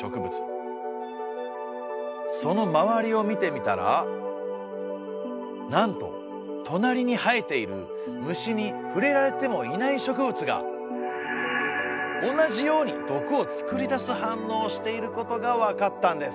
その周りを見てみたらなんと隣に生えている虫に触れられてもいない植物が同じように毒を作り出す反応をしていることが分かったんです。